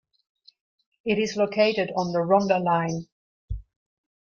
It is located on the Rhondda Line.